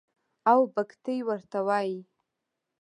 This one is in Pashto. او بګتۍ ورته وايي.